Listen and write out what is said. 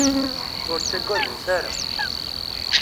Ur ttagademt ara.